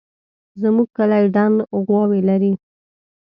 زموږ کلی دڼ غواوې لري